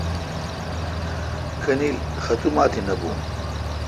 کھانیل ختم آت نہ بھون۔